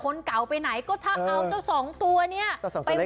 คนเก่าไปไหนก็ถ้าเอาเจ้าสองตัวนี้ไป